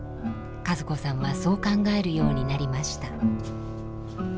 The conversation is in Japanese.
和子さんはそう考えるようになりました。